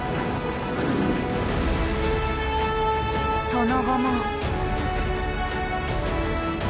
その後も。